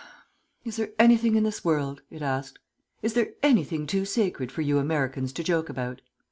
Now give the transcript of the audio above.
"Is there anything in this world," it asked, "is there anything too sacred for you Americans to joke about?